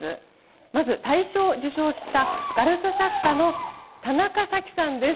まず大賞を受賞したガラス作家の田中里姫さんです。